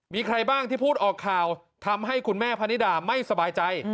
มีใครบ้างที่พูดออกข่าวทำให้คุณแม่พนิดาไม่สบายใจ